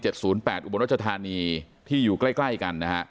เจ็ดศูนย์แปดอุบันรัชธานีที่อยู่ใกล้ใกล้กันนะฮะ